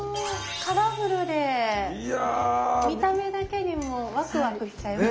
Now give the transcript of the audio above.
カラフルで見た目だけでもワクワクしちゃいそう。